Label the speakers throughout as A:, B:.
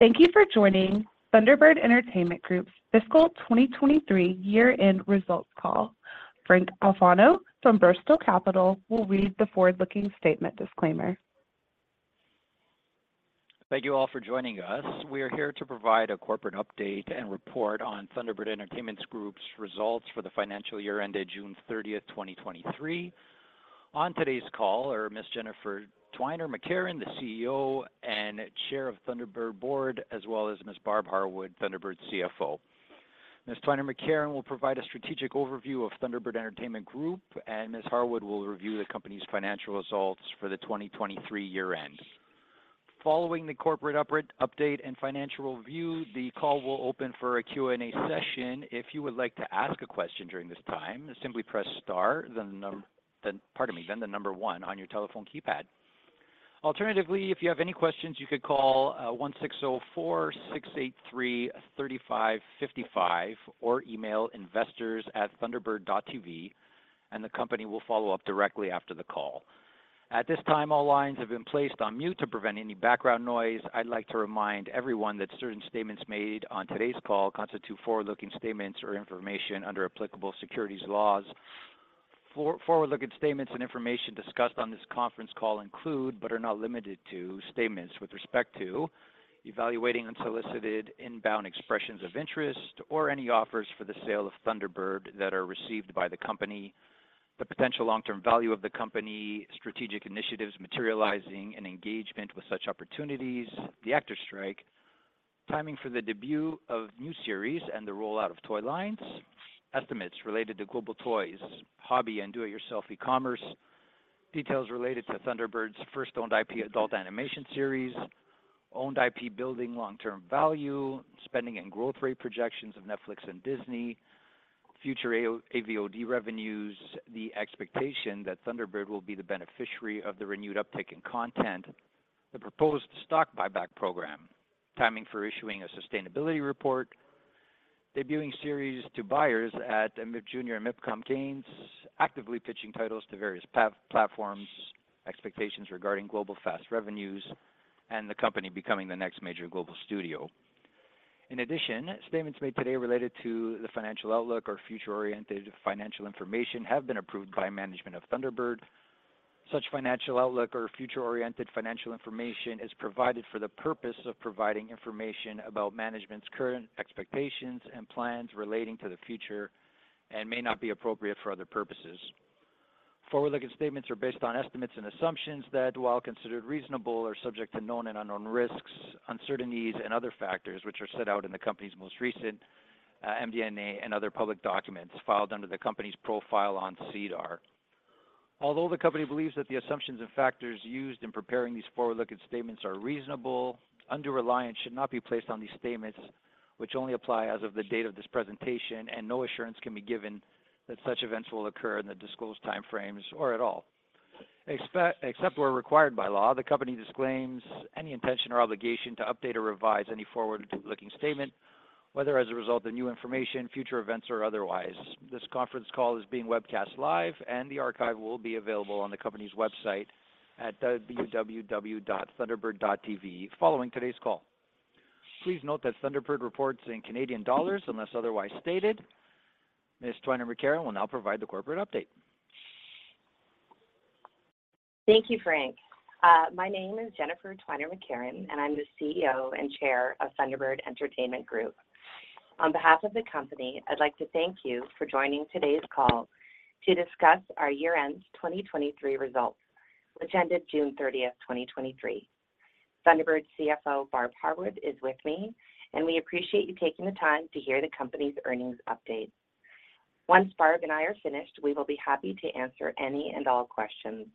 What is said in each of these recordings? A: Thank you for joining Thunderbird Entertainment Group's Fiscal 2023 Year-End Results Call. Frank Alfano from Bristol Capital will read the forward-looking statement disclaimer.
B: Thank you all for joining us. We are here to provide a corporate update and report on Thunderbird Entertainment Group's results for the financial year ended June 30, 2023. On today's call are Ms. Jennifer Twiner McCarron, the CEO and Chair of Thunderbird Entertainment Group, as well as Ms. Barb Harwood, Thunderbird's CFO. Ms. Twiner McCarron will provide a strategic overview of Thunderbird Entertainment Group, and Ms. Harwood will review the company's financial results for the 2023 year end. Following the corporate update and financial review, the call will open for a Q&A session. If you would like to ask a question during this time, simply press star, then, pardon me, then the number one on your telephone keypad. Alternatively, if you have any questions, you could call 1-604-683-3555 or email investors@thunderbird.tv, and the company will follow up directly after the call. At this time, all lines have been placed on mute to prevent any background noise. I'd like to remind everyone that certain statements made on today's call constitute forward-looking statements or information under applicable securities laws. Forward-looking statements and information discussed on this conference call include, but are not limited to, statements with respect to evaluating unsolicited inbound expressions of interest or any offers for the sale of Thunderbird that are received by the company, the potential long-term value of the company, strategic initiatives materializing and engagement with such opportunities, the actor strike, timing for the debut of new series and the rollout of toy lines, estimates related to global toys, hobby and do-it-yourself e-commerce, details related to Thunderbird's first owned IP adult animation series, owned IP building long-term value, spending and growth rate projections of Netflix and Disney, future AVOD revenues, the expectation that Thunderbird will be the beneficiary of the renewed uptick in content. The proposed stock buyback program, timing for issuing a sustainability report, debuting series to buyers at the MIPJunior and MIPCOM, actively pitching titles to various platforms, expectations regarding global FAST revenues, and the company becoming the next major global studio. In addition, statements made today related to the financial outlook or future-oriented financial information have been approved by management of Thunderbird. Such financial outlook or future-oriented financial information is provided for the purpose of providing information about management's current expectations and plans relating to the future and may not be appropriate for other purposes. Forward-looking statements are based on estimates and assumptions that, while considered reasonable, are subject to known and unknown risks, uncertainties, and other factors which are set out in the company's most recent MD&A and other public documents filed under the company's profile on SEDAR. Although the company believes that the assumptions and factors used in preparing these forward-looking statements are reasonable, undue reliance should not be placed on these statements, which only apply as of the date of this presentation, and no assurance can be given that such events will occur in the disclosed time frames or at all. Except where required by law, the company disclaims any intention or obligation to update or revise any forward-looking statement, whether as a result of new information, future events, or otherwise. This conference call is being webcast live, and the archive will be available on the company's website at www.thunderbird.tv following today's call. Please note that Thunderbird reports in Canadian dollars unless otherwise stated. Ms. Twiner McCarron will now provide the corporate update.
C: Thank you, Frank. My name is Jennifer Twiner McCarron, and I'm the CEO and Chair of Thunderbird Entertainment Group. On behalf of the company, I'd like to thank you for joining today's call to discuss our year-end 2023 results, which ended June 30, 2023. Thunderbird's CFO, Barb Harwood, is with me, and we appreciate you taking the time to hear the company's earnings update. Once Barb and I are finished, we will be happy to answer any and all questions.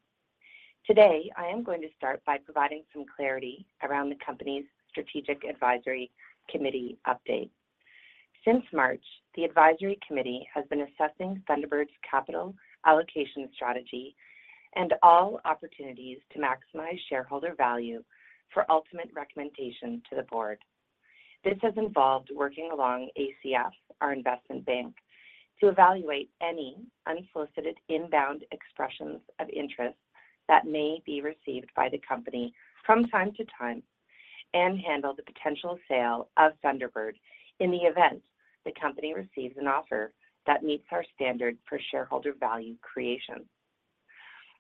C: Today, I am going to start by providing some clarity around the company's strategic advisory committee update. Since March, the advisory committee has been assessing Thunderbird's capital allocation strategy and all opportunities to maximize shareholder value for ultimate recommendation to the board. This has involved working along ACF, our investment bank, to evaluate any unsolicited inbound expressions of interest that may be received by the company from time to time and handle the potential sale of Thunderbird in the event the company receives an offer that meets our standard for shareholder value creation.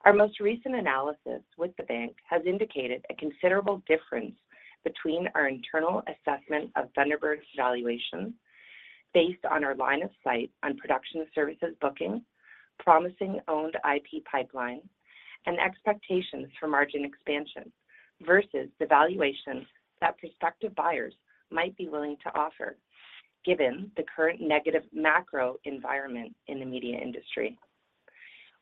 C: Our most recent analysis with the bank has indicated a considerable difference between our internal assessment of Thunderbird's valuation based on our line of sight on production services, booking, promising owned IP pipeline, and expectations for margin expansion versus the valuation that prospective buyers might be willing to offer, given the current negative macro environment in the media industry.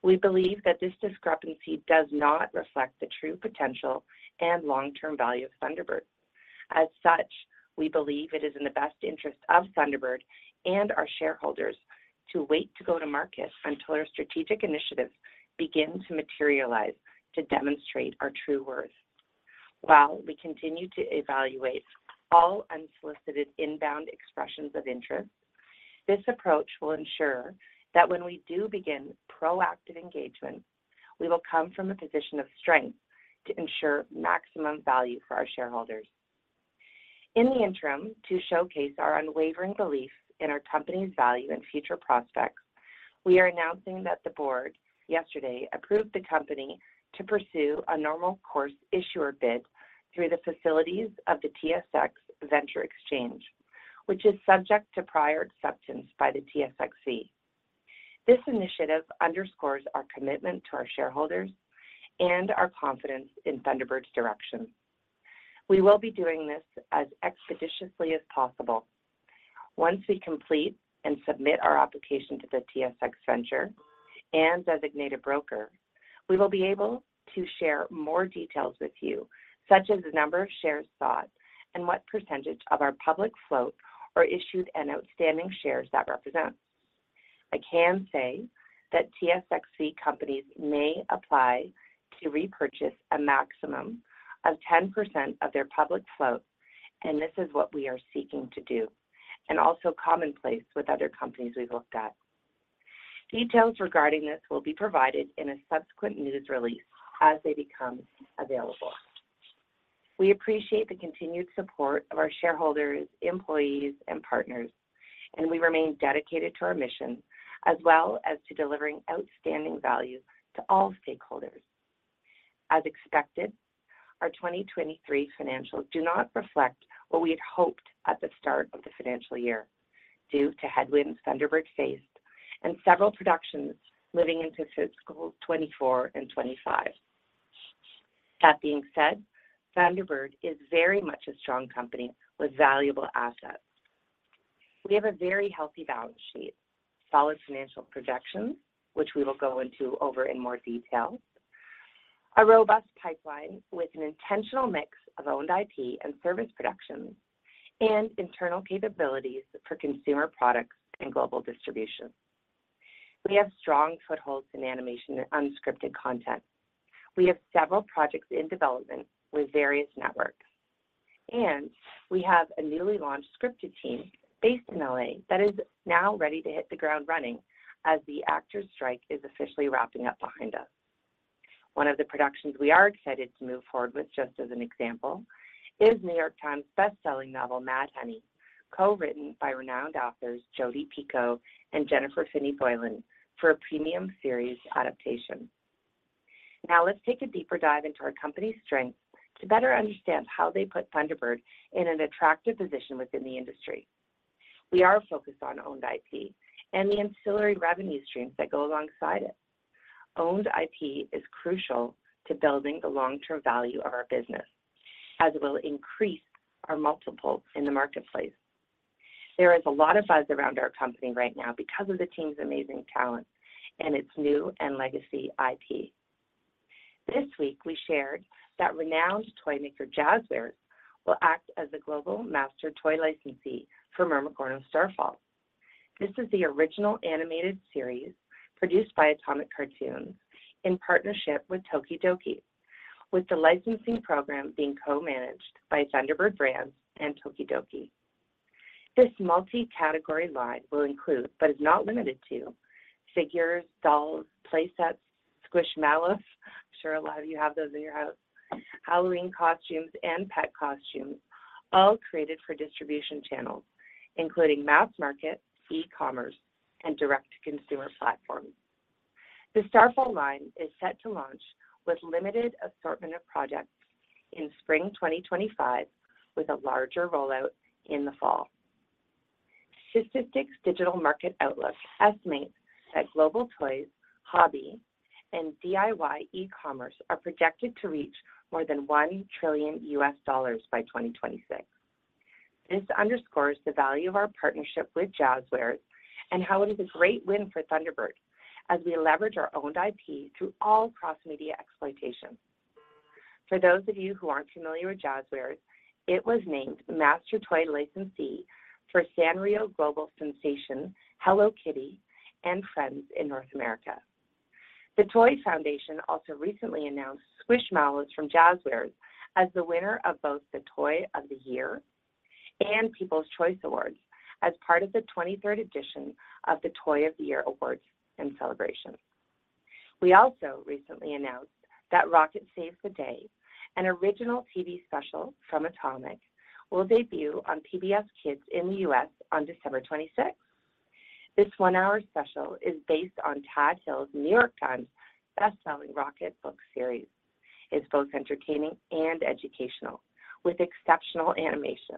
C: We believe that this discrepancy does not reflect the true potential and long-term value of Thunderbird. As such, we believe it is in the best interest of Thunderbird and our shareholders to wait to go to market until our strategic initiatives begin to materialize to demonstrate our true worth. While we continue to evaluate all unsolicited inbound expressions of interest... This approach will ensure that when we do begin proactive engagement, we will come from a position of strength to ensure maximum value for our shareholders. In the interim, to showcase our unwavering belief in our company's value and future prospects, we are announcing that the board yesterday approved the company to pursue a normal course issuer bid through the facilities of the TSX Venture Exchange, which is subject to prior acceptance by the TSXV. This initiative underscores our commitment to our shareholders and our confidence in Thunderbird's direction. We will be doing this as expeditiously as possible. Once we complete and submit our application to the TSX Venture and Designated Broker, we will be able to share more details with you, such as the number of shares sought and what percentage of our public float or issued and outstanding shares that represent. I can say that TSXV companies may apply to repurchase a maximum of 10% of their public float, and this is what we are seeking to do, and also commonplace with other companies we've looked at. Details regarding this will be provided in a subsequent news release as they become available. We appreciate the continued support of our shareholders, employees, and partners, and we remain dedicated to our mission, as well as to delivering outstanding value to all stakeholders. As expected, our 2023 financials do not reflect what we had hoped at the start of the financial year due to headwinds Thunderbird faced and several productions moving into fiscal 2024 and 2025. That being said, Thunderbird is very much a strong company with valuable assets. We have a very healthy balance sheet, solid financial projections, which we will go into over in more detail, a robust pipeline with an intentional mix of owned IP and service productions, and internal capabilities for consumer products and global distribution. We have strong footholds in animation and unscripted content. We have several projects in development with various networks, and we have a newly launched scripted team based in L.A. that is now ready to hit the ground running as the actors strike is officially wrapping up behind us. One of the productions we are excited to move forward with, just as an example, is New York Times bestselling novel, Mad Honey, co-written by renowned authors Jodi Picoult and Jennifer Finney Boylan, for a premium series adaptation. Now, let's take a deeper dive into our company's strengths to better understand how they put Thunderbird in an attractive position within the industry. We are focused on owned IP and the ancillary revenue streams that go alongside it. Owned IP is crucial to building the long-term value of our business, as it will increase our multiple in the marketplace. There is a lot of buzz around our company right now because of the team's amazing talent and its new and legacy IP. This week, we shared that renowned toy maker Jazwares will act as a global master toy licensee for Mermicorno Starfall. This is the original animated series produced by Atomic Cartoons in partnership with tokidoki, with the licensing program being co-managed by Thunderbird Brands and tokidoki. This multi-category line will include, but is not limited to figures, dolls, play sets, Squishmallows, I'm sure a lot of you have those in your house, Halloween costumes, and pet costumes, all created for distribution channels, including mass market, e-commerce, and direct-to-consumer platforms. The Starfall line is set to launch with limited assortment of products in Spring 2025, with a larger rollout in the fall. Statista Digital Market Outlook estimates that global toys, hobby, and DIY e-commerce are projected to reach more than $1 trillion by 2026. This underscores the value of our partnership with Jazwares and how it is a great win for Thunderbird as we leverage our owned IP through all cross-media exploitation. For those of you who aren't familiar with Jazwares, it was named Master Toy Licensee for Sanrio global sensation, Hello Kitty and Friends in North America. The Toy Foundation also recently announced Squishmallows from Jazwares as the winner of both the Toy of the Year and People's Choice Awards as part of the 23rd edition of the Toy of the Year awards and celebration. We also recently announced that Rocket Saves the Day, an original TV special from Atomic, will debut on PBS Kids in the U.S. on December 26th. This one-hour special is based on Tad Hills' New York Times bestselling Rocket book series, is both entertaining and educational, with exceptional animation.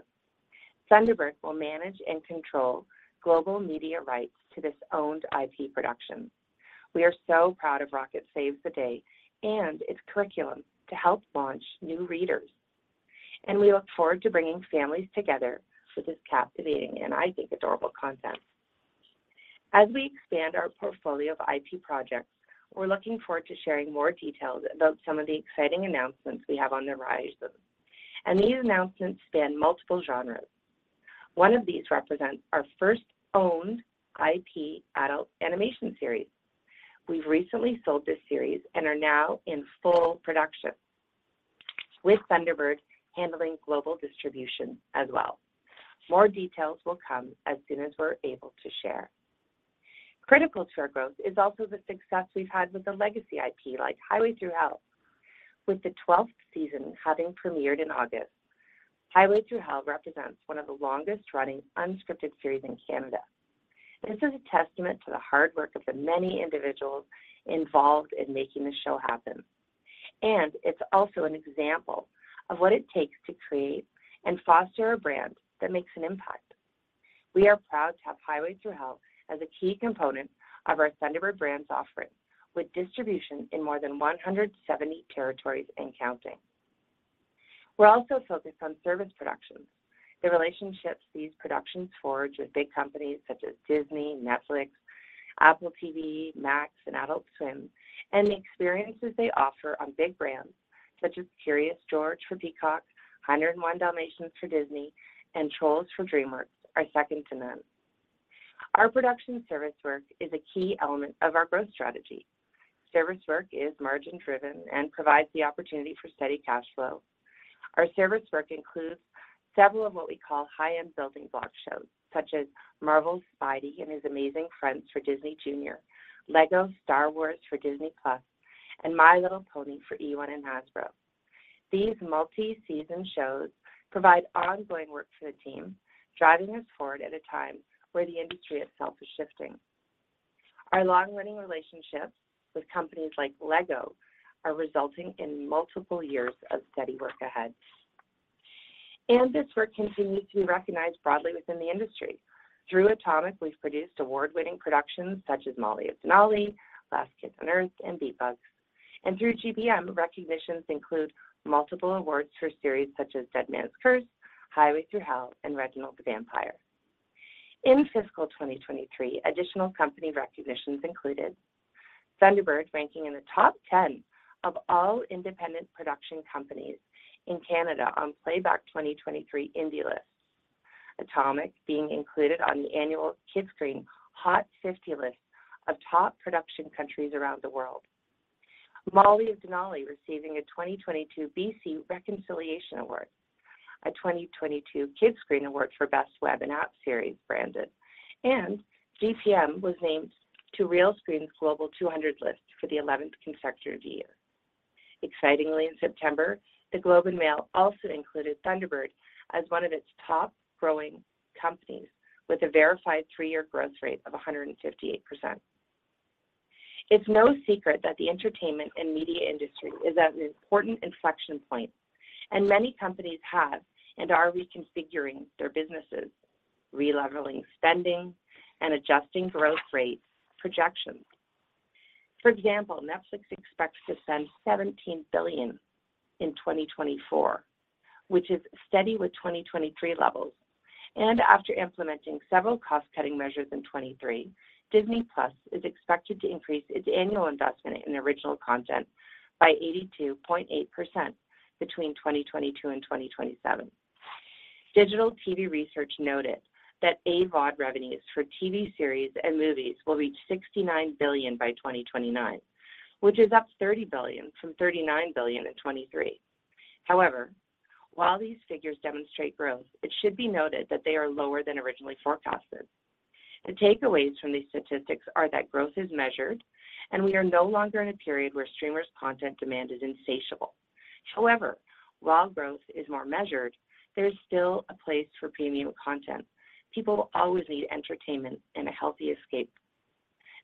C: Thunderbird will manage and control global media rights to this owned IP production. We are so proud of Rocket Saves the Day and its curriculum to help launch new readers, and we look forward to bringing families together with this captivating, and I think, adorable content. As we expand our portfolio of IP projects, we're looking forward to sharing more details about some of the exciting announcements we have on the horizon, and these announcements span multiple genres. One of these represents our first owned IP adult animation series. We've recently sold this series and are now in full production with Thunderbird handling global distribution as well. More details will come as soon as we're able to share. Critical to our growth is also the success we've had with the legacy IP, like Highway Thru Hell, with the twelfth season having premiered in August. Highway Thru Hell represents one of the longest-running unscripted series in Canada. This is a testament to the hard work of the many individuals involved in making this show happen, and it's also an example of what it takes to create and foster a brand that makes an impact. We are proud to have Highway Thru Hell as a key component of our Thunderbird Brands offering, with distribution in more than 170 territories and counting. We're also focused on service productions, the relationships these productions forge with big companies such as Disney, Netflix, Apple TV, Max, and Adult Swim, and the experiences they offer on big brands, such as Curious George for Peacock, Hundred and One Dalmatians for Disney, and Trolls for DreamWorks, are second to none. Our production service work is a key element of our growth strategy. Service work is margin-driven and provides the opportunity for steady cash flow. Our service work includes several of what we call high-end building block shows, such as Marvel's Spidey and His Amazing Friends for Disney Junior, LEGO Star Wars for Disney Plus, and My Little Pony for eOne and Hasbro. These multi-season shows provide ongoing work for the team, driving us forward at a time where the industry itself is shifting. Our long-running relationships with companies like LEGO are resulting in multiple years of steady work ahead, and this work continues to be recognized broadly within the industry. Through Atomic, we've produced award-winning productions such as Molly of Denali, Last Kids on Earth, and Beat Bugs. Through GPM, recognitions include multiple awards for series such as Dead Man's Curse, Highway Thru Hell, and Reginald the Vampire. In fiscal 2023, additional company recognitions included Thunderbird ranking in the top 10 of all independent production companies in Canada on Playback 2023 indie list. Atomic being included on the annual Kidscreen Hot 50 list of top production countries around the world. Molly of Denali receiving a 2022 BC Reconciliation Award, a 2022 Kidscreen Award for Best Web and App Series, branded, and GPM was named to Realscreen's Global 200 list for the 11th consecutive year. Excitingly, in September, The Globe and Mail also included Thunderbird as one of its top growing companies with a verified 3-year growth rate of 158%. It's no secret that the entertainment and media industry is at an important inflection point, and many companies have and are reconfiguring their businesses, releveling spending, and adjusting growth rate projections. For example, Netflix expects to spend $17 billion in 2024, which is steady with 2023 levels, and after implementing several cost-cutting measures in 2023, Disney Plus is expected to increase its annual investment in original content by 82.8% between 2022 and 2027. Digital TV Research noted that AVOD revenues for TV series and movies will reach $69 billion by 2029, which is up $30 billion from $39 billion in 2023. However, while these figures demonstrate growth, it should be noted that they are lower than originally forecasted. The takeaways from these statistics are that growth is measured, and we are no longer in a period where streamers' content demand is insatiable. However, while growth is more measured, there is still a place for premium content. People will always need entertainment and a healthy escape.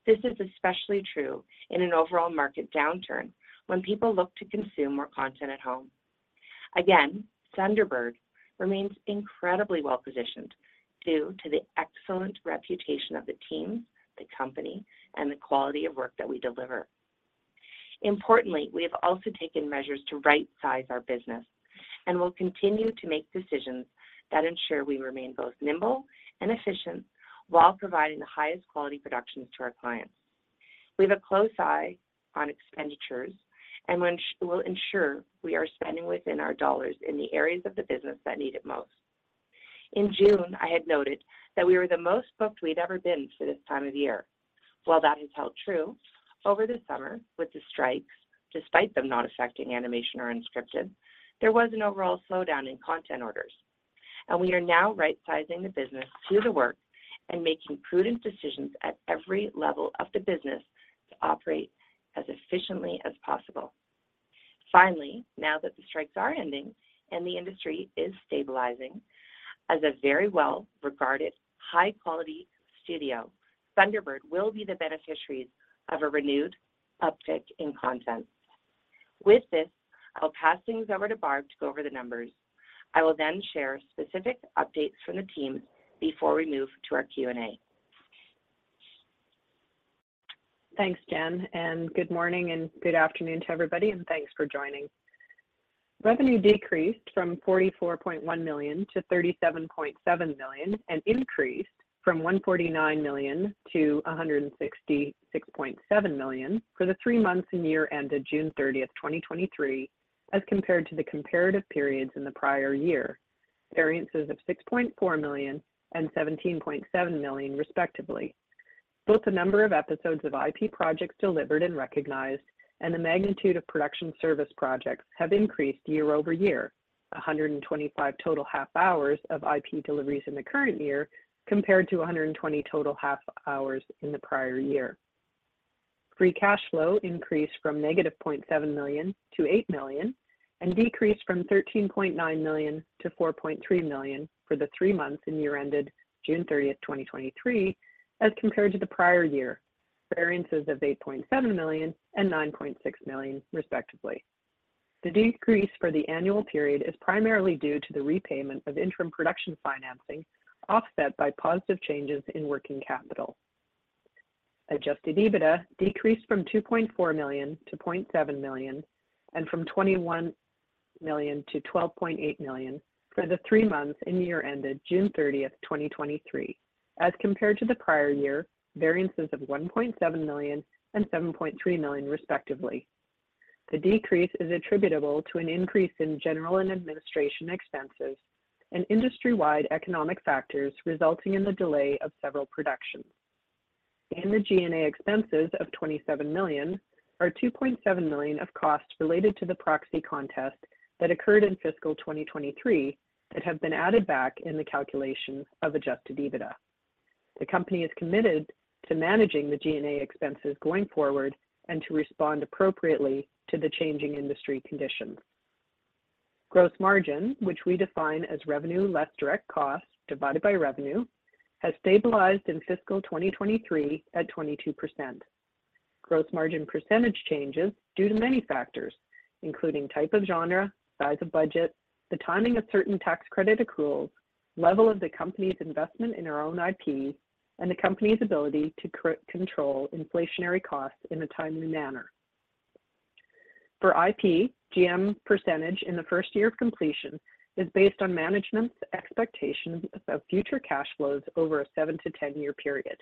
C: This is especially true in an overall market downturn when people look to consume more content at home. Again, Thunderbird remains incredibly well-positioned due to the excellent reputation of the team, the company, and the quality of work that we deliver. Importantly, we have also taken measures to right-size our business and will continue to make decisions that ensure we remain both nimble and efficient while providing the highest quality productions to our clients. We have a close eye on expenditures and will ensure we are spending within our dollars in the areas of the business that need it most. In June, I had noted that we were the most booked we'd ever been for this time of year. While that has held true over the summer with the strikes, despite them not affecting animation or unscripted, there was an overall slowdown in content orders, and we are now right-sizing the business to the work and making prudent decisions at every level of the business to operate as efficiently as possible. Finally, now that the strikes are ending and the industry is stabilizing, as a very well-regarded, high-quality studio, Thunderbird will be the beneficiaries of a renewed uptick in content. With this, I'll pass things over to Barb to go over the numbers. I will then share specific updates from the team before we move to our Q&A.
D: Thanks, Jen, and good morning and good afternoon to everybody, and thanks for joining. Revenue decreased from 44.1 million to 37.7 million and increased from 149 million to 166.7 million for the three months and year ended June thirtieth, 2023, as compared to the comparative periods in the prior year. Variances of 6.4 million and 17.7 million, respectively. Both the number of episodes of IP projects delivered and recognized, and the magnitude of production service projects have increased year-over-year. 125 total half hours of IP deliveries in the current year, compared to 120 total half hours in the prior year. Free cash flow increased from -0.7 million to 8 million, and decreased from 13.9 million to 4.3 million for the three months and year ended June 30, 2023, as compared to the prior year, variances of 8.7 million and 9.6 million, respectively. The decrease for the annual period is primarily due to the repayment of interim production financing, offset by positive changes in working capital. Adjusted EBITDA decreased from 2.4 million to 0.7 million and from 21 million to 12.8 million for the three months and year ended June 30, 2023, as compared to the prior year, variances of 1.7 million and 7.3 million, respectively. The decrease is attributable to an increase in general and administrative expenses and industry-wide economic factors resulting in the delay of several productions. In the G&A expenses of 27 million are 2.7 million of costs related to the proxy contest that occurred in fiscal 2023, that have been added back in the calculation of adjusted EBITDA. The company is committed to managing the G&A expenses going forward and to respond appropriately to the changing industry conditions. Gross margin, which we define as revenue less direct costs divided by revenue, has stabilized in fiscal 2023 at 22%. Gross margin percentage changes due to many factors, including type of genre, size of budget, the timing of certain tax credit accruals, level of the company's investment in our own IP, and the company's ability to control inflationary costs in a timely manner. For IP, GM percentage in the first year of completion is based on management's expectations of future cash flows over a 7-10-year period.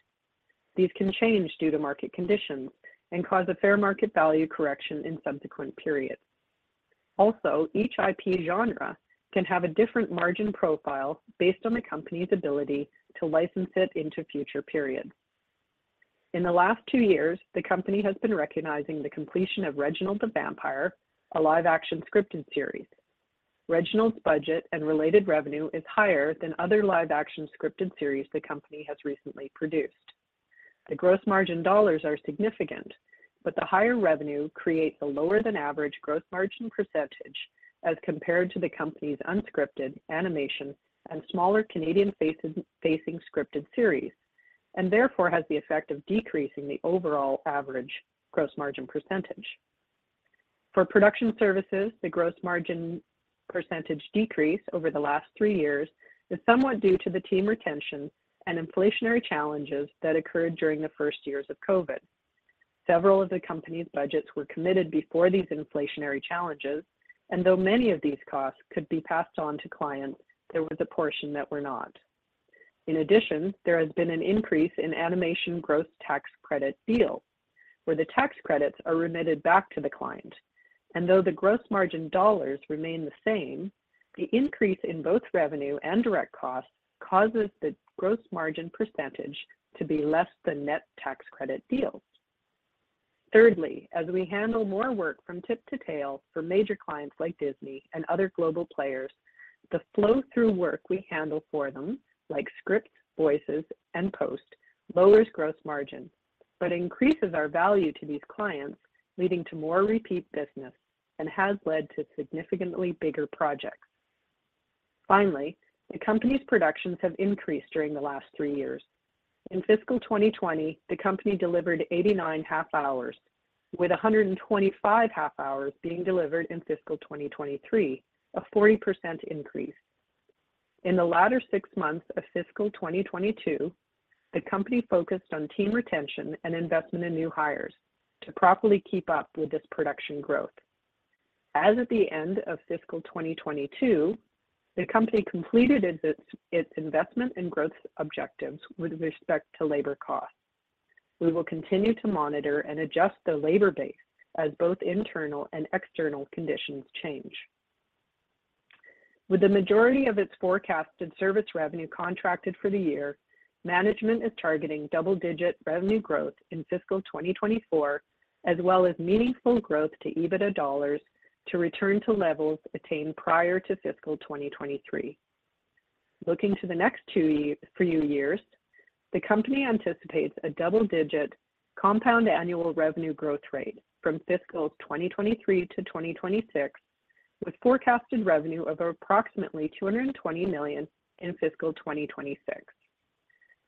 D: These can change due to market conditions and cause a fair market value correction in subsequent periods. Also, each IP genre can have a different margin profile based on the company's ability to license it into future periods. In the last two years, the company has been recognizing the completion of Reginald the Vampire, a live-action scripted series. Reginald's budget and related revenue is higher than other live-action scripted series the company has recently produced. The gross margin dollars are significant, but the higher revenue creates a lower than average gross margin percentage as compared to the company's unscripted, animation, and smaller Canadian facing scripted series, and therefore has the effect of decreasing the overall average gross margin percentage. For production services, the gross margin percentage decrease over the last three years is somewhat due to the team retention and inflationary challenges that occurred during the first years of COVID. Several of the company's budgets were committed before these inflationary challenges, and though many of these costs could be passed on to clients, there was a portion that were not. In addition, there has been an increase in animation gross tax credit deals, where the tax credits are remitted back to the client, and though the gross margin dollars remain the same, the increase in both revenue and direct costs causes the gross margin percentage to be less than net tax credit deals. Thirdly, as we handle more work from tip to tail for major clients like Disney and other global players, the flow-through work we handle for them, like scripts, voices, and post, lowers gross margin, but increases our value to these clients, leading to more repeat business and has led to significantly bigger projects. Finally, the company's productions have increased during the last three years. In fiscal 2020, the company delivered 89 half hours, with 125 half hours being delivered in fiscal 2023, a 40% increase. In the latter six months of fiscal 2022, the company focused on team retention and investment in new hires to properly keep up with this production growth. As at the end of fiscal 2022, the company completed its investment and growth objectives with respect to labor costs. We will continue to monitor and adjust the labor base as both internal and external conditions change. With the majority of its forecasted service revenue contracted for the year, management is targeting double-digit revenue growth in fiscal 2024, as well as meaningful growth to EBITDA dollars to return to levels attained prior to fiscal 2023. Looking to the next few years, the company anticipates a double-digit compound annual revenue growth rate from fiscal 2023 to 2026, with forecasted revenue of approximately 220 million in fiscal 2026.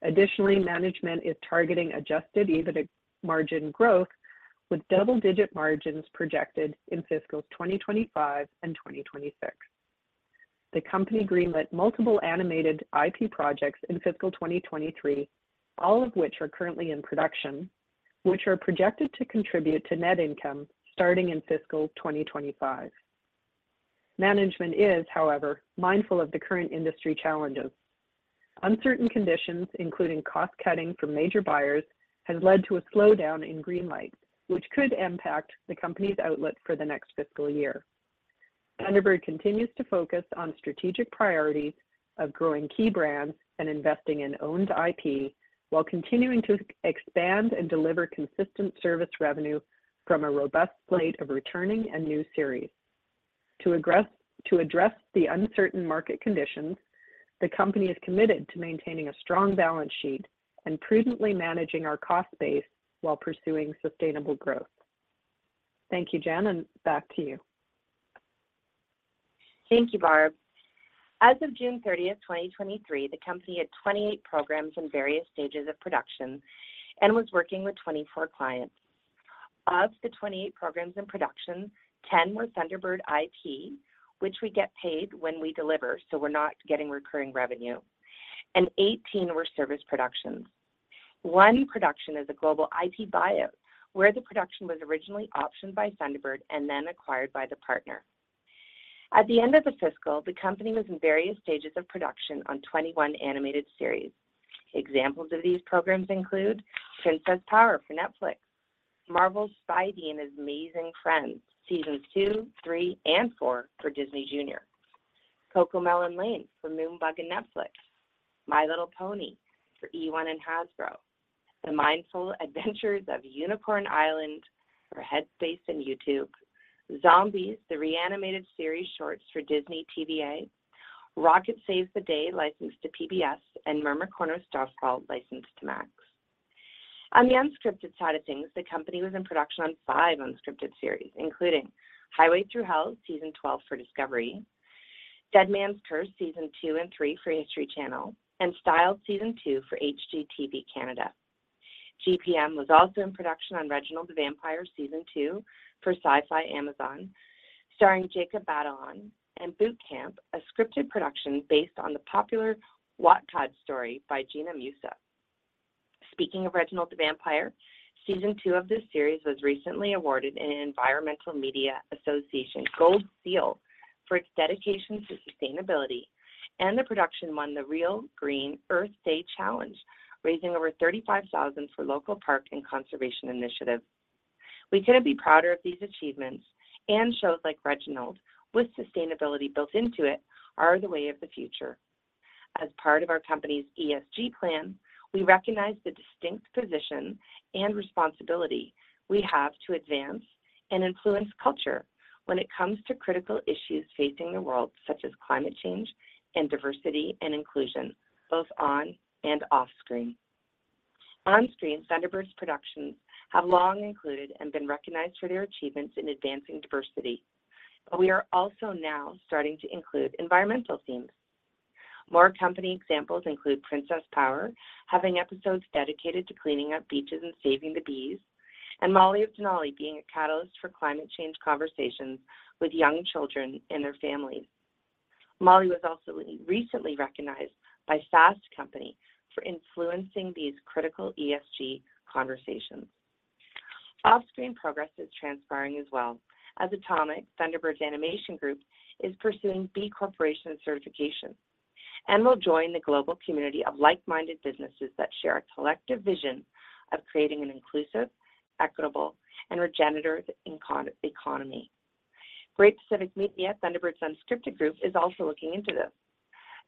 D: Additionally, management is targeting adjusted EBITDA margin growth, with double-digit margins projected in fiscal 2025 and 2026. The company greenlit multiple animated IP projects in fiscal 2023, all of which are currently in production, which are projected to contribute to net income starting in fiscal 2025. Management is, however, mindful of the current industry challenges. Uncertain conditions, including cost-cutting from major buyers, has led to a slowdown in greenlight, which could impact the company's outlook for the next fiscal year. Thunderbird continues to focus on strategic priorities of growing key brands and investing in owned IP, while continuing to expand and deliver consistent service revenue from a robust slate of returning and new series. To address the uncertain market conditions, the company is committed to maintaining a strong balance sheet and prudently managing our cost base while pursuing sustainable growth. Thank you, Jen, and back to you.
C: Thank you, Barb. As of June 30, 2023, the company had 28 programs in various stages of production and was working with 24 clients. Of the 28 programs in production, 10 were Thunderbird IP, which we get paid when we deliver, so we're not getting recurring revenue, and 18 were service productions. One production is a global IP buy-out, where the production was originally optioned by Thunderbird and then acquired by the partner. At the end of the fiscal, the company was in various stages of production on 21 animated series. Examples of these programs include Princess Power for Netflix, Marvel's Spidey and His Amazing Friends, Seasons 2, 3, and 4 for Disney Junior, CoComelon Lane for Moonbug and Netflix, My Little Pony for eOne and Hasbro, The Mindful Adventures of Unicorn Island for Headspace and YouTube, Zombies: The Re-Animated Series Shorts for Disney TVA, Rocket Saves the Day, licensed to PBS, and Mermicorno: Starfall, licensed to Max. On the unscripted side of things, the company was in production on 5 unscripted series, including Highway Thru Hell, Season 12 for Discovery, Dead Man's Curse, Season 2 and 3 for History Channel, and Styled, Season 2 for HGTV Canada. GPM was also in production on Reginald the Vampire, Season 2 for SYFY and Amazon, starring Jacob Batalon, and Boot Camp, a scripted production based on the popular Wattpad story by Gina Musa. Speaking of Reginald the Vampire, Season two of this series was recently awarded an Environmental Media Association Gold Seal for its dedication to sustainability, and the production won the Reel Green Earth Day Challenge, raising over 35,000 for local park and conservation initiatives. We couldn't be prouder of these achievements, and shows like Reginald, with sustainability built into it, are the way of the future. As part of our company's ESG plan, we recognize the distinct position and responsibility we have to advance and influence culture when it comes to critical issues facing the world, such as climate change and diversity and inclusion, both on and off screen. On screen, Thunderbird's productions have long included and been recognized for their achievements in advancing diversity, but we are also now starting to include environmental themes. More company examples include Princess Power, having episodes dedicated to cleaning up beaches and saving the bees, and Molly of Denali being a catalyst for climate change conversations with young children and their families. Molly was also recently recognized by Fast Company for influencing these critical ESG conversations. Off-screen progress is transpiring as well. As Atomic, Thunderbird Animation Group is pursuing B Corporation certification and will join the global community of like-minded businesses that share a collective vision of creating an inclusive, equitable, and regenerative economy. Great Pacific Media, Thunderbird's unscripted group, is also looking into this.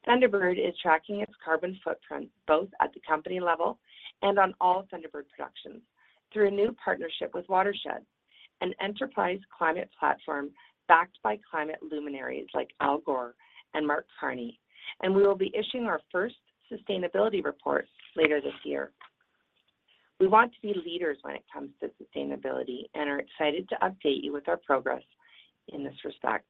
C: Thunderbird is tracking its carbon footprint, both at the company level and on all Thunderbird productions, through a new partnership with Watershed, an enterprise climate platform backed by climate luminaries like Al Gore and Mark Carney, and we will be issuing our first sustainability report later this year. We want to be leaders when it comes to sustainability and are excited to update you with our progress in this respect.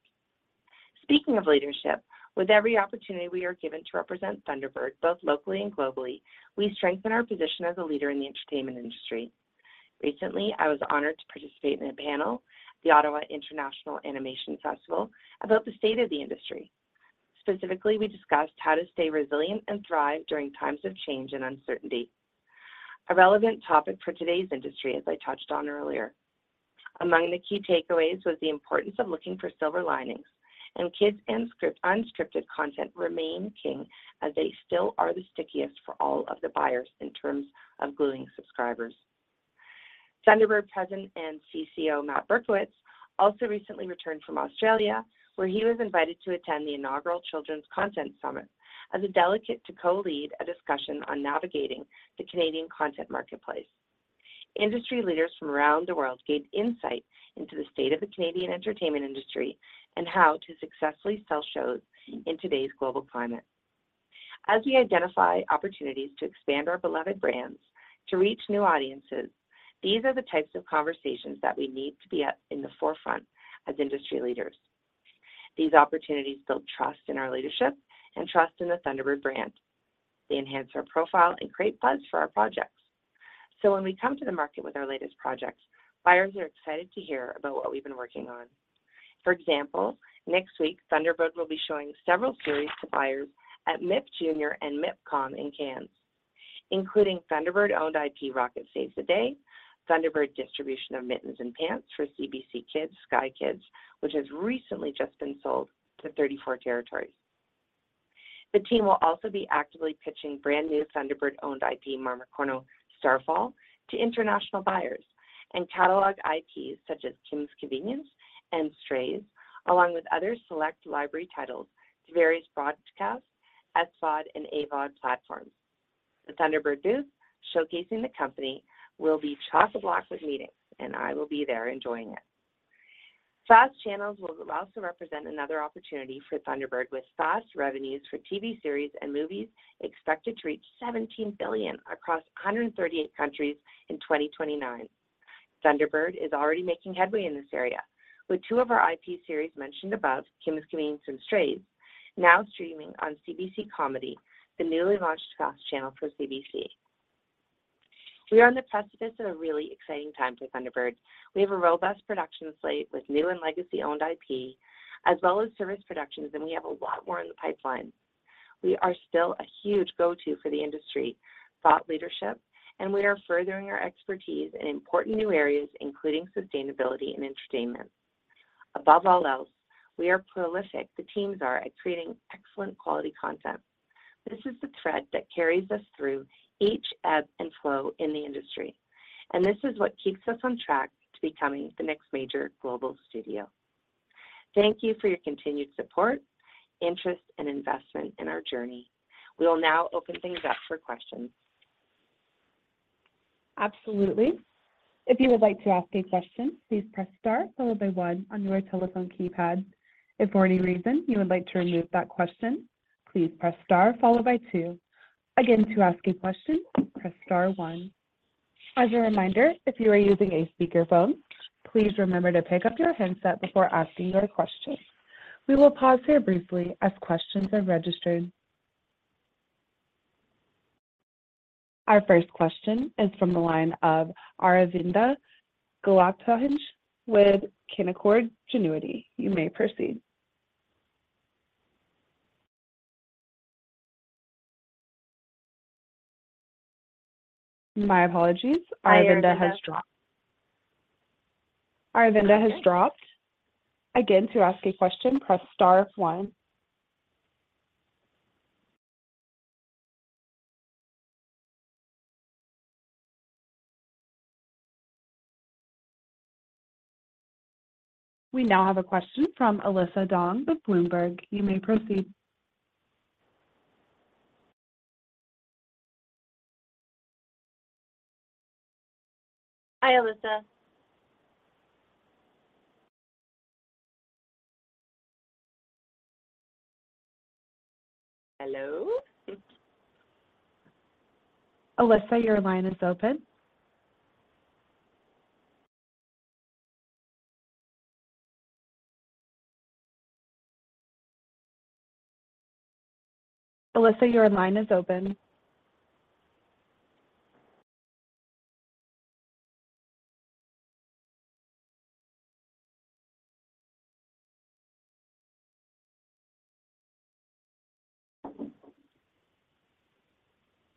C: Speaking of leadership, with every opportunity we are given to represent Thunderbird, both locally and globally, we strengthen our position as a leader in the entertainment industry. Recently, I was honored to participate in a panel at the Ottawa International Animation Festival about the state of the industry. Specifically, we discussed how to stay resilient and thrive during times of change and uncertainty, a relevant topic for today's industry, as I touched on earlier. Among the key takeaways was the importance of looking for silver linings, and kids and scripted and unscripted content remain king, as they still are the stickiest for all of the buyers in terms of gluing subscribers. Thunderbird President and CCO, Matt Berkowitz, also recently returned from Australia, where he was invited to attend the inaugural Children's Content Summit as a delegate to co-lead a discussion on navigating the Canadian content marketplace. Industry leaders from around the world gave insight into the state of the Canadian entertainment industry and how to successfully sell shows in today's global climate. As we identify opportunities to expand our beloved brands to reach new audiences, these are the types of conversations that we need to be at the forefront as industry leaders. These opportunities build trust in our leadership and trust in the Thunderbird brand. They enhance our profile and create buzz for our projects. When we come to the market with our latest projects, buyers are excited to hear about what we've been working on. For example, next week, Thunderbird will be showing several series to buyers at MIP Junior and MIPCOM in Cannes, including Thunderbird-owned IP, Rocket Saves the Day, Thunderbird distribution of Mittens and Pants for CBC Kids, Sky Kids, which has recently just been sold to 34 territories. The team will also be actively pitching brand new Thunderbird-owned IP, Mermicorno: Starfall, to international buyers, and catalog IP such as Kim's Convenience and Strays, along with other select library titles, to various broadcasts, SVOD, and AVOD platforms. The Thunderbird booth, showcasing the company, will be chock-a-block with meetings, and I will be there enjoying it. Fast channels will also represent another opportunity for Thunderbird, with fast revenues for TV series and movies expected to reach $17 billion across 138 countries in 2029. Thunderbird is already making headway in this area, with two of our IP series mentioned above, Kim's Convenience and Strays, now streaming on CBC Comedy, the newly launched fast channel for CBC. We are on the precipice of a really exciting time for Thunderbird. We have a robust production slate with new and legacy-owned IP, as well as service productions, and we have a lot more in the pipeline. We are still a huge go-to for the industry, thought leadership, and we are furthering our expertise in important new areas, including sustainability and entertainment. Above all else, we are prolific, the teams are, at creating excellent quality content. This is the thread that carries us through each ebb and flow in the industry, and this is what keeps us on track to becoming the next major global studio. Thank you for your continued support, interest, and investment in our journey. We will now open things up for questions.
A: Absolutely. If you would like to ask a question, please press Star followed by One on your telephone keypad. If for any reason you would like to remove that question, please press Star followed by Two. Again, to ask a question, press Star One. As a reminder, if you are using a speakerphone, please remember to pick up your handset before asking your question. We will pause here briefly as questions are registered. Our first question is from the line of Aravinda Galappatthige with Canaccord Genuity. You may proceed. My apologies, Aravinda has dropped. Aravinda has dropped. Again, to ask a question, press Star One. We now have a question from Alyssa Dong with Bloomberg. You may proceed. Hi, Alyssa. Hello? Alyssa, your line is open. Alyssa, your line is open.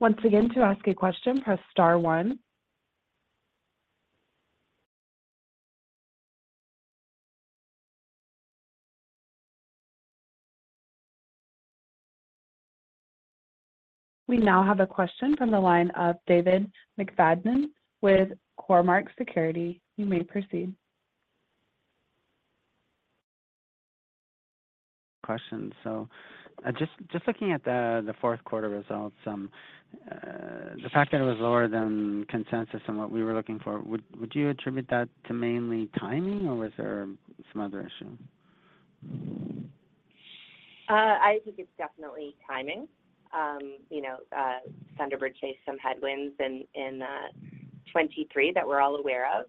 A: Once again, to ask a question, press Star One. We now have a question from the line of David McFadgen with Cormark Securities. You may proceed.
E: So, just looking at the Q4 results, the fact that it was lower than consensus and what we were looking for, would you attribute that to mainly timing, or was there some other issue?
C: I think it's definitely timing. You know, Thunderbird faced some headwinds in 2023 that we're all aware of,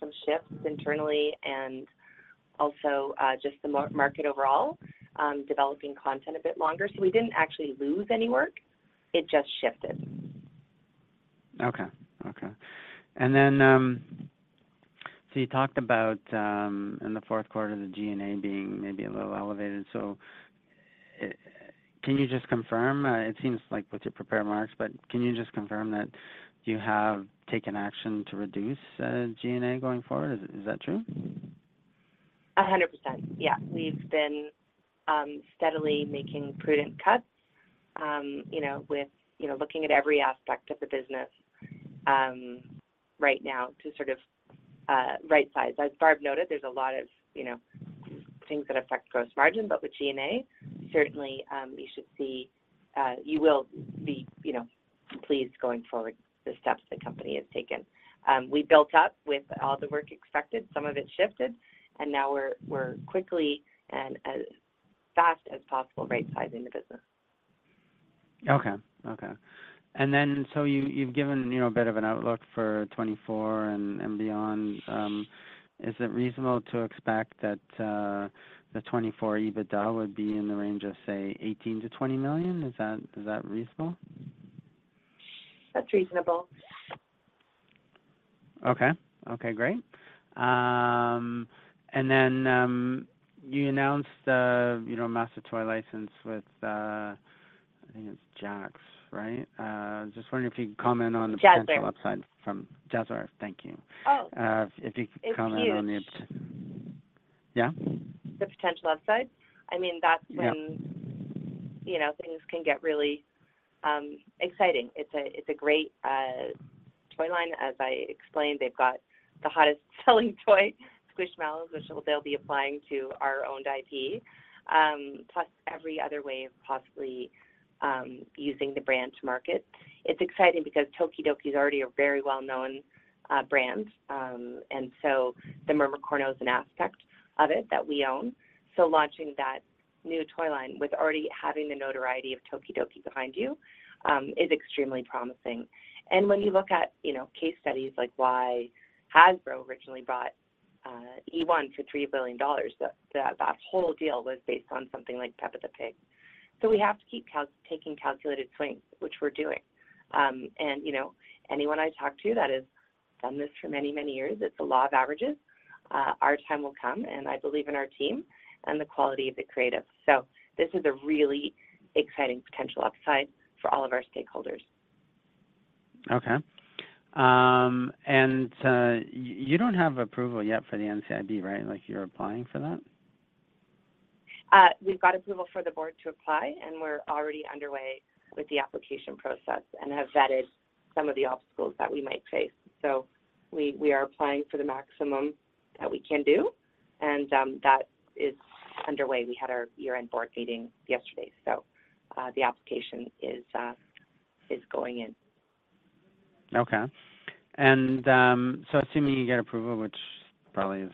C: some shifts internally and also just the market overall, developing content a bit longer. So we didn't actually lose any work, it just shifted.
E: Okay. Okay. And then, so you talked about, in the Q4, the G&A being maybe a little elevated. So can you just confirm? It seems like with your prepared remarks, but can you just confirm that you have taken action to reduce G&A going forward? Is that true?
C: 100%. Yeah. We've been steadily making prudent cuts, you know, with, you know, looking at every aspect of the business, right now to sort of right size. As Barb noted, there's a lot of, you know, things that affect gross margin, but with G&A, certainly you will be, you know, pleased going forward, the steps the company has taken. We built up with all the work expected, some of it shifted, and now we're quickly and as fast as possible, right-sizing the business.
E: Okay, okay. And then, so you've given, you know, a bit of an outlook for 2024 and beyond. Is it reasonable to expect that the 2024 EBITDA would be in the range of, say, 18 million-20 million? Is that reasonable?
C: That's reasonable.
E: Okay. Okay, great. And then you announced, you know, master toy license with, I think it's Jazwares, right? Just wondering if you could comment on the-
C: Jazwares.
E: Jazwares, thank you.
C: Oh.
E: If you could comment on the-
C: It's huge. Yeah, the potential upside? I mean, that's when-
E: Yeah.
C: You know, things can get really exciting. It's a, it's a great toy line. As I explained, they've got the hottest selling toy, Squishmallows, which they'll be applying to our owned IP, plus every other way of possibly using the brand to market. It's exciting because tokidoki is already a very well-known brand, and so the Mermicorno is an aspect of it that we own. So launching that new toy line with already having the notoriety of tokidoki behind you is extremely promising. And when you look at, you know, case studies like why Hasbro originally bought eOne for $3 billion, that whole deal was based on something like Peppa the Pig. So we have to keep taking calculated swings, which we're doing. You know, anyone I talk to that has done this for many, many years, it's a law of averages. Our time will come, and I believe in our team and the quality of the creative. So this is a really exciting potential upside for all of our stakeholders.
E: Okay. And, you don't have approval yet for the NCIB, right? Like, you're applying for that?
C: We've got approval for the board to apply, and we're already underway with the application process and have vetted some of the obstacles that we might face. So we are applying for the maximum that we can do, and that is underway. We had our year-end board meeting yesterday, so the application is going in.
E: Okay. So assuming you get approval, which probably is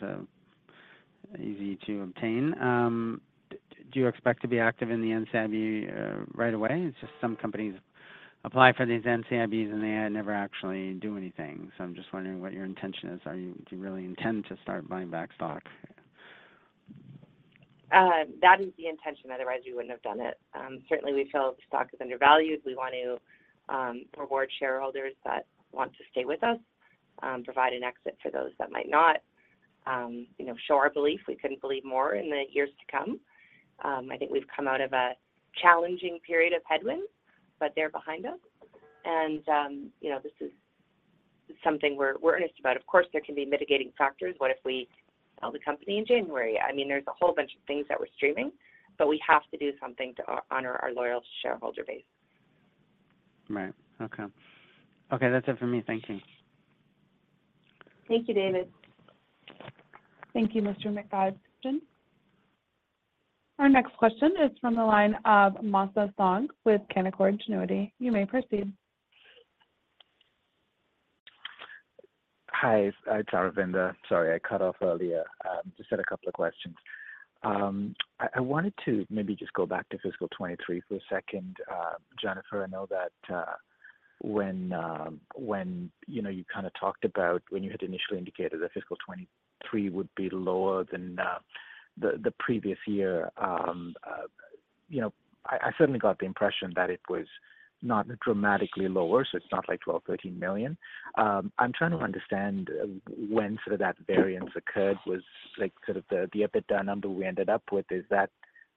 E: easy to obtain, do you expect to be active in the NCIB right away? It's just some companies apply for these NCIBs and they never actually do anything. So I'm just wondering what your intention is. Do you really intend to start buying back stock?
C: That is the intention, otherwise, we wouldn't have done it. Certainly we feel the stock is undervalued. We want to reward shareholders that want to stay with us, provide an exit for those that might not, you know, show our belief. We couldn't believe more in the years to come. I think we've come out of a challenging period of headwinds, but they're behind us. And you know, this is something we're earnest about. Of course, there can be mitigating factors. What if we sell the company in January? I mean, there's a whole bunch of things that we're streaming, but we have to do something to honor our loyal shareholder base.
E: Right. Okay. Okay, that's it for me. Thank you.
C: Thank you, David.
A: Thank you, Mr. McFadgen. Our next question is from the line of Masa Song with Canaccord Genuity. You may proceed.
F: Hi, it's Aravinda. Sorry, I cut off earlier. Just had a couple of questions. I wanted to maybe just go back to fiscal 2023 for a second. Jennifer, I know that when you know, you kinda talked about when you had initially indicated that fiscal 2023 would be lower than the previous year, you know, I certainly got the impression that it was not dramatically lower, so it's not like 12-13 million. I'm trying to understand when sort of that variance occurred. Was, like, sort of the EBITDA number we ended up with, is that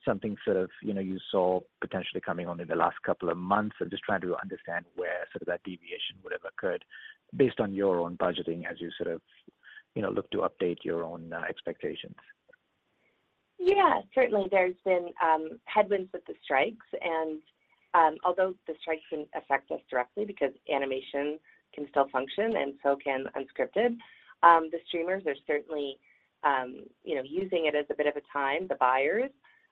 F: something sort of you know, you saw potentially coming on in the last couple of months? I'm just trying to understand where sort of that deviation would have occurred based on your own budgeting as you sort of, you know, look to update your own expectations.
C: Yeah, certainly. There's been headwinds with the strikes and although the strikes didn't affect us directly because animation can still function and so can unscripted, the streamers are certainly you know, using it as a bit of a time. The buyers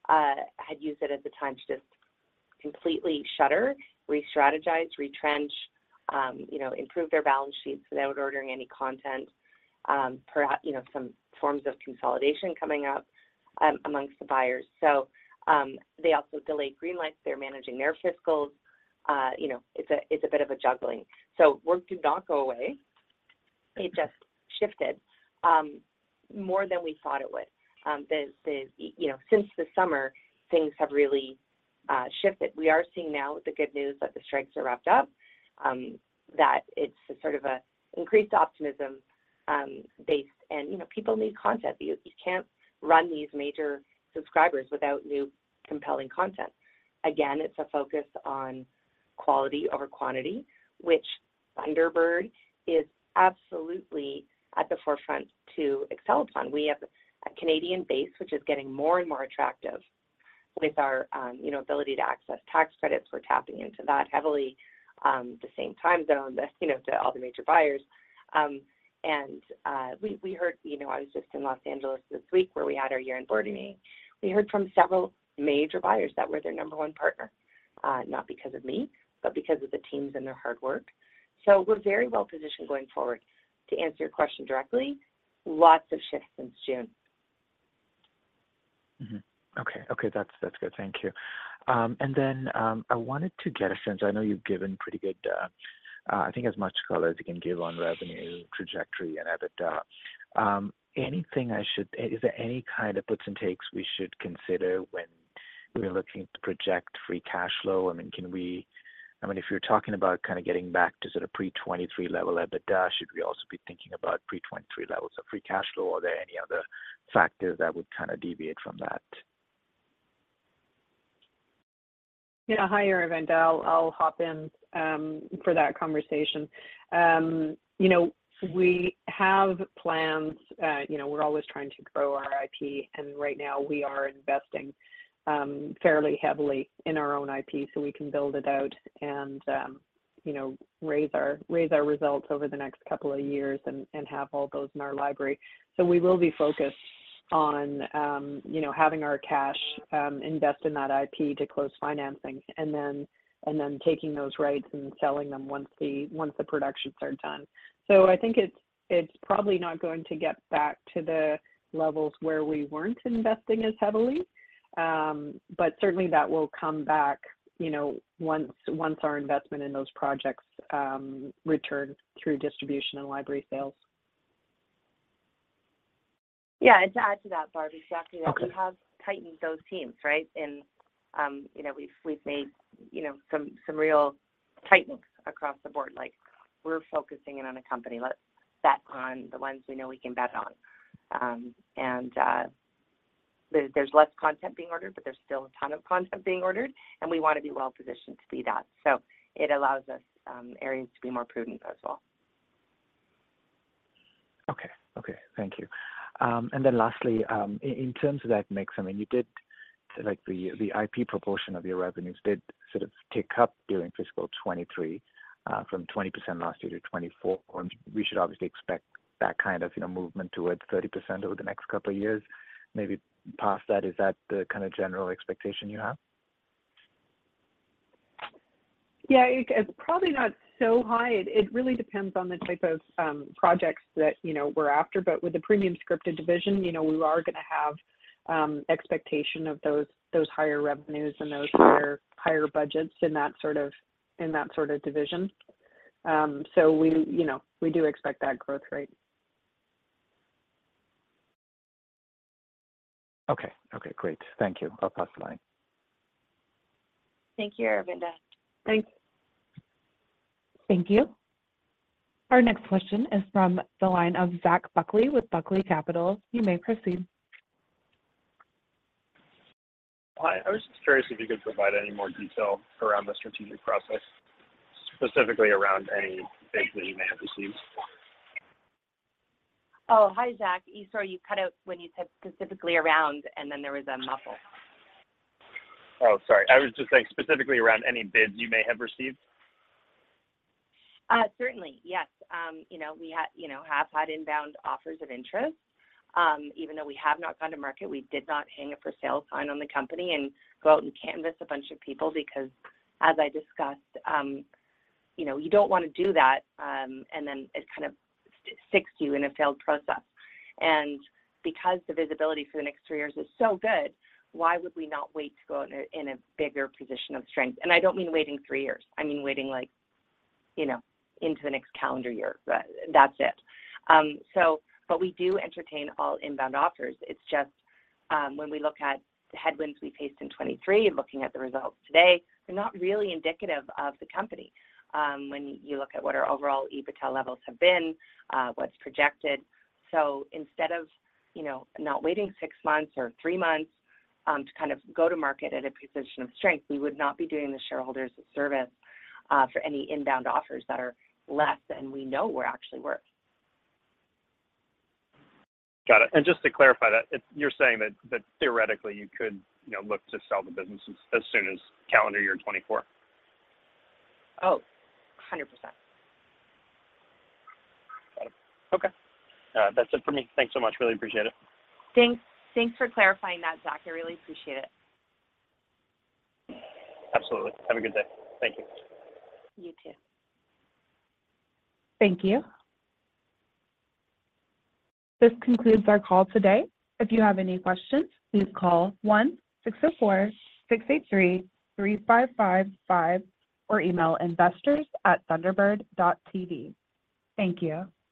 C: had used it as a time to just completely shutter, restrategize, retrench, you know, improve their balance sheets without ordering any content, perhaps, you know, some forms of consolidation coming up, amongst the buyers. So, they also delayed green lights. They're managing their fiscals. You know, it's a bit of a juggling. So work did not go away, it just shifted more than we thought it would. You know, since the summer, things have really shifted. We are seeing now the good news that the strikes are wrapped up, that it's a sort of a increased optimism, based and, you know, people need content. You, you can't run these major subscribers without new, compelling content. Again, it's a focus on quality over quantity, which Thunderbird is absolutely at the forefront to excel on. We have a Canadian base, which is getting more and more attractive with our, you know, ability to access tax credits. We're tapping into that heavily, the same time zone, as, you know, to all the major buyers. And we heard. You know, I was just in Los Angeles this week, where we had our year-end board meeting. We heard from several major buyers that we're their number one partner, not because of me, but because of the teams and their hard work. We're very well positioned going forward. To answer your question directly, lots of shifts since June.
F: Mm-hmm. Okay. Okay, that's, that's good. Thank you. And then, I wanted to get a sense. I know you've given pretty good, I think as much color as you can give on revenue trajectory and EBITDA. Anything I should- is there any kind of puts and takes we should consider when we're looking to project free cash flow? I mean, if you're talking about kind of getting back to sort of pre-2023 level EBITDA, should we also be thinking about pre-2023 levels of free cash flow, or are there any other factors that would kind of deviate from that?
D: Yeah. Hi, Aravinda. I'll, I'll hop in for that conversation. You know, we have plans, you know, we're always trying to grow our IP, and right now we are investing fairly heavily in our own IP, so we can build it out and, you know, raise our, raise our results over the next couple of years and, and have all those in our library. So we will be focused on, you know, having our cash invest in that IP to close financing, and then, and then taking those rights and selling them once the, once the productions are done. So I think it's, it's probably not going to get back to the levels where we weren't investing as heavily. But certainly that will come back, you know, once, once our investment in those projects return through distribution and library sales.
C: Yeah, and to add to that, Barb, exactly, that we have tightened those teams, right? And, you know, we've made, you know, some real tightens across the board. Like, we're focusing in on a company, let's bet on the ones we know we can bet on. And, there, there's less content being ordered, but there's still a ton of content being ordered, and we want to be well-positioned to do that. So it allows us areas to be more prudent as well.
F: Okay. Okay, thank you. And then lastly, in terms of that mix, I mean, you did—like the, the IP proportion of your revenues did sort of tick up during fiscal 2023, from 20% last year to 24%, and we should obviously expect that kind of, you know, movement towards 30% over the next couple of years, maybe past that. Is that the kind of general expectation you have?
D: Yeah, it, it's probably not so high. It, it really depends on the type of projects that, you know, we're after. But with the premium scripted division, you know, we are gonna have expectation of those, those higher revenues and those-
F: Sure
D: Higher, higher budgets in that sort of, in that sort of division. So we, you know, we do expect that growth rate.
F: Okay. Okay, great. Thank you. I'll pass the line.
C: Thank you, Aravinda.
D: Thanks.
A: Thank you. Our next question is from the line of Zach Buckley with Buckley Capital. You may proceed.
G: Hi, I was just curious if you could provide any more detail around the strategic process, specifically around any bids that you may have received?
C: Oh, hi, Zach. Sorry, you cut out when you said, "Specifically around," and then there was a muffle.
G: Oh, sorry. I was just saying, specifically around any bids you may have received.
C: Certainly, yes. You know, we have, you know, have had inbound offers of interest. Even though we have not gone to market, we did not hang a for sale sign on the company and go out and canvas a bunch of people because as I discussed, you know, you don't want to do that, and then it kind of sticks you in a failed process. And because the visibility for the next three years is so good, why would we not wait to go in a bigger position of strength? And I don't mean waiting three years. I mean, waiting like, you know, into the next calendar year. But that's it. So but we do entertain all inbound offers. It's just, when we look at the headwinds we faced in 2023 and looking at the results today, they're not really indicative of the company, when you look at what our overall EBITDA levels have been, what's projected. So instead of, you know, not waiting six months or three months, to kind of go to market at a position of strength, we would not be doing the shareholders a service, for any inbound offers that are less than we know we're actually worth.
G: Got it. And just to clarify that, it's you're saying that theoretically, you could, you know, look to sell the business as soon as calendar year 2024?
C: Oh, 100%.
G: Got it. Okay. That's it for me. Thanks so much. Really appreciate it.
C: Thanks. Thanks for clarifying that, Zach. I really appreciate it.
G: Absolutely. Have a good day. Thank you.
C: You too.
A: Thank you. This concludes our call today. If you have any questions, please call 1-604-683-3555 or email investors@thunderbird.tv. Thank you.